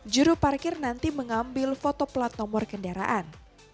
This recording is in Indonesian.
juru parkir nanti mengambil foto plat nomor kendaraan